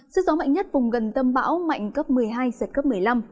sức gió mạnh nhất vùng gần tâm bão mạnh cấp một mươi hai giật cấp một mươi năm